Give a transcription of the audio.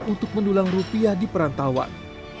untuk mendulang rupiah di perantauan